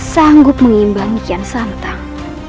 sanggup mengimbang di kian santang